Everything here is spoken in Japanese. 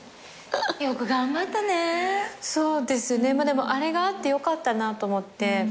でもあれがあってよかったなと思って。